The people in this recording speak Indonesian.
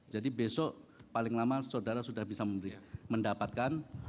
jadi besok paling lama saudara sudah bisa mendapatkan